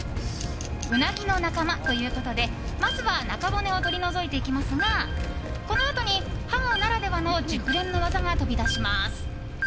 ウナギの仲間ということでまずは中骨を取り除いていきますがこのあとにハモならではの熟練の技が飛び出します。